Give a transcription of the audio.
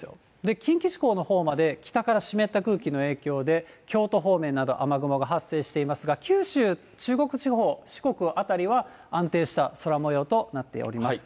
近畿地方のほうまで、北から湿った空気の影響で、京都方面など、雨雲が発生していますが、九州、中国地方、四国辺りは安定した空もようとなっております。